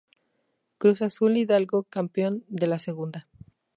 Cruz Azul Hidalgo, campeón de la Segunda.